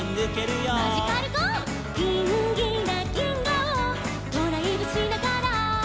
「ギンギラぎんがをドライブしながら」